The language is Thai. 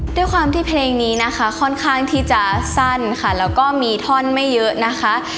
ด้วยความที่เพลงนี้นะคะค่อนข้างที่จะสั้นค่ะแล้วก็มีท่อนไม่เยอะนะคะ